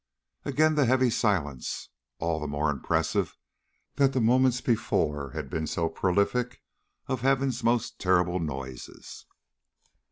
Again that heavy silence, all the more impressive that the moments before had been so prolific of heaven's most terrible noises.